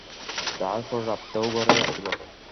তাহার পর রাত্রেও ঘরে আসিল।